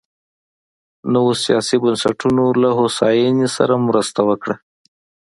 نویو سیاسي بنسټونو له هوساینې سره مرسته وکړه.